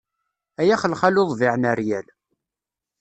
Ay axelxal uḍbiɛ n rryal.